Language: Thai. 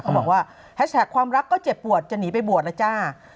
เขาบอกว่าแฮชแท็กความรักก็เจ็บปวดจะหนีไปบวชแล้วจ้า